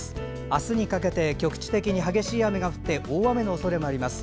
あすにかけて局地的に激しい雨が降って大雨のおそれもあります。